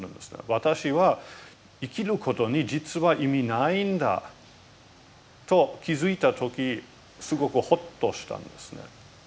私は「生きることに実は意味ないんだ」と気付いた時すごくほっとしたんですね。